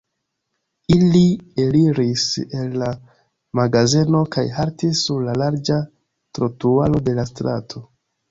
Ili eliris el la magazeno kaj haltis sur la larĝa trotuaro de la strato.